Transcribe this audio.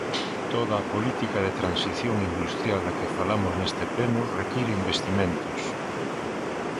Toda a política de transición industrial da que falamos neste pleno require investimentos.